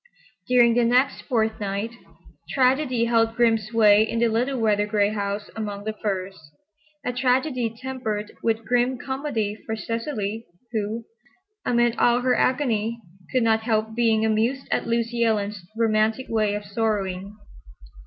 During the next fortnight tragedy held grim sway in the little weather gray house among the firs—a tragedy tempered with grim comedy for Cecily, who, amid all her agony, could not help being amused at Lucy Ellen's romantic way of sorrowing.